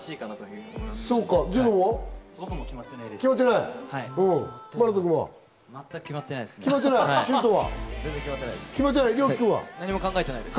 いや、決まってないです。